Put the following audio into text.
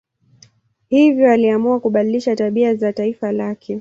Hivyo aliamua kubadilisha tabia za taifa lake.